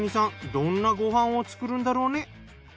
どんなご飯を作るんだろうね。